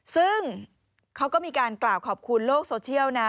ซึ่งเขาก็มีการกล่าวขอบคุณโลกโซเชียลนะ